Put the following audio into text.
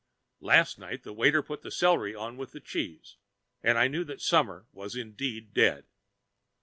Last night the waiter put the celery on with the cheese, and I knew that summer was indeed dead.